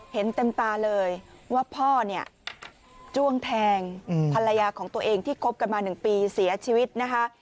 เห็นเต็มตาเลยว่าพ่อเนี่ยจ้วงแทงภรรยาของตัวเองที่คบกันมา๑ปีเสียชีวิตนะคะ